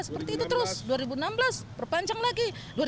dua ribu enam belas perpanjang lagi